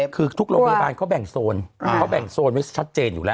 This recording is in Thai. คือทุกโรงพยาบาลเขาแบ่งโซนเขาแบ่งโซนไว้ชัดเจนอยู่แล้ว